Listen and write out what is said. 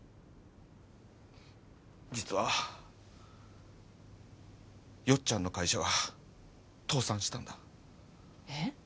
実はよっちゃんの会社が倒産したんだえっ？